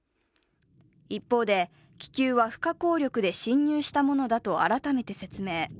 一方で気球は不可抗力で侵入したものだと改めて説明。